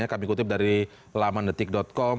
kami kutip dari lamandetik com